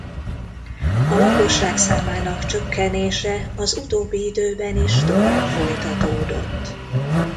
A lakosság számának csökkenése az utóbbi időben is tovább folytatódott.